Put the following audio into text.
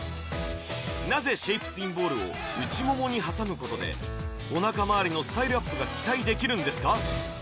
なぜシェイプツインボールを内ももに挟むことでおなかまわりのスタイルアップが期待できるんですか？